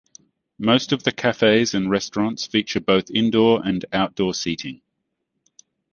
Most of the cafes and restaurants feature both indoor and outdoor seating.